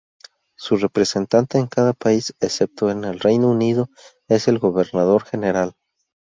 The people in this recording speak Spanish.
Su representante en cada país, excepto el Reino Unido, es el gobernador general.